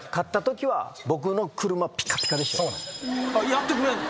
やってくれんの？